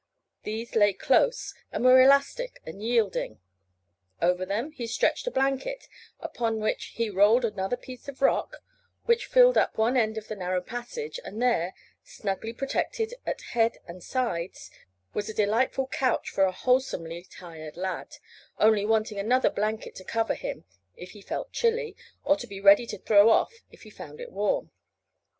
These lay close and were elastic and yielding. Over them he stretched a blanket, upon which he rolled another piece of rock, which filled up one end of the narrow passage, and there, snugly protected at head and sides, was the delightful couch for a wholesomely tired lad, only wanting another blanket to cover him if he felt chilly, or to be ready to throw off if he found it warm.